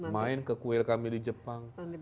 main ke kuil kami di jepang